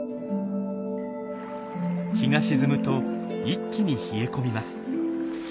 日が沈むと一気に冷え込みます。